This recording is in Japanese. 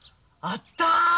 あった！